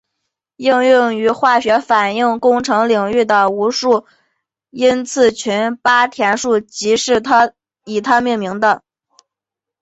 应用于化学反应工程领域的无因次群八田数即是以他之名命名的。